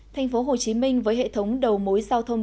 thành phố hồ chí minh với hệ thống đầu mối giao thông